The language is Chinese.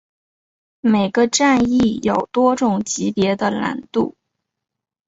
每个战役有多种级别的难度。